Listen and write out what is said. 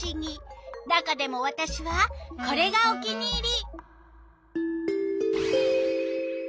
中でもわたしはこれがお気に入り！